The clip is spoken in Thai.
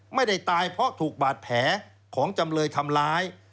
ไม่ได้ตายเพราะถูกบาดแผลของจำเลยทำร้าย